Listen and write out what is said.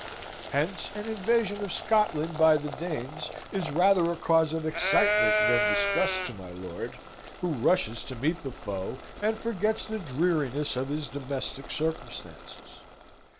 Hence, an invasion of Scotland by the Danes is rather a cause of excitement than disgust to my lord, who rushes to meet the foe, and forgets the dreariness of his domestic circumstances.